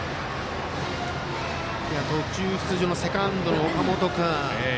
途中出場のセカンドの岡本君